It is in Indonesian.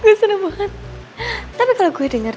rutin aja setempat